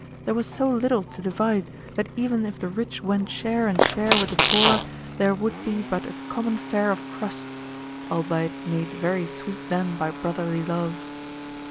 There was so little to divide that even if the rich went share and share with the poor, there would be but a common fare of crusts, albeit made very sweet then by brotherly love.